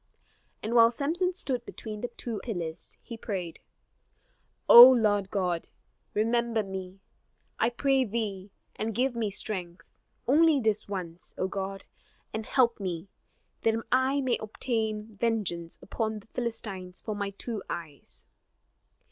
And while Samson stood between the two pillars, he prayed: "O Lord God, remember me, I pray thee, and give me strength, only this once, O God: and help me, that I may obtain vengeance upon the Philistines for my two eyes!"